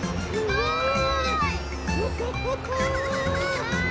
すごい！